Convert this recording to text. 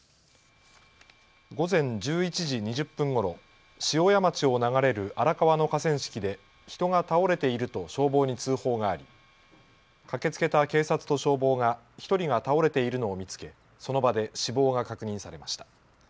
午前１１時２０分ごろ、塩谷町を流れる荒川の河川敷で人が倒れていると消防に通報があり駆けつけた警察と消防が１人が倒れているのを見つけその場で死亡が確認されました。